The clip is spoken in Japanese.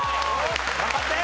頑張って！